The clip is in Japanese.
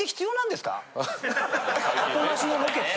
アポなしのロケって。